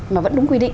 mà vẫn đúng quy định